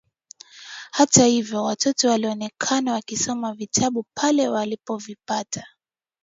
Hata hivyo watoto walionekana wakisoma vitabu pale walipovipata.